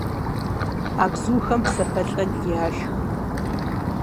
А бзухэм псэхэлӀэл яшх.